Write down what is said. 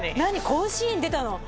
甲子園出たの？